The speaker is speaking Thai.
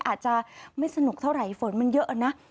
อาจจะไม่สนุกเท่าไหร่ฝนมันเยอะนะ